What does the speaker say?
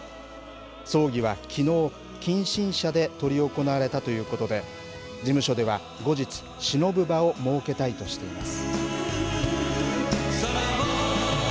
葬儀はきのう、近親者で執り行われたということで、事務所では後日、しのぶ場を設けたいとしています。